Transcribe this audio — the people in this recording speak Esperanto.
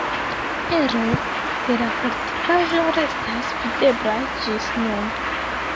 Eroj de la fortikaĵo restas videblaj ĝis nun.